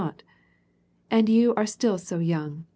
t And you are still so young.